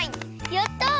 やった！